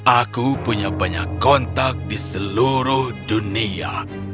aku punya banyak kontak di seluruh dunia